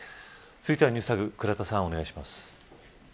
続いてはＮｅｗｓＴａｇ倉田さん、お願い